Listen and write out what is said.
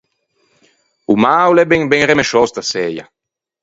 O mâ o l’é ben ben remesciou staseia.